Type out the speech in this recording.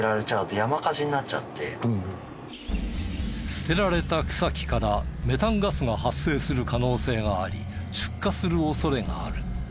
捨てられた草木からメタンガスが発生する可能性があり出火する恐れがある。